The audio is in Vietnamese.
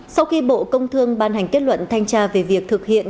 sau khi bộ công thương ban hành kết luận thanh tra về việc thực hiện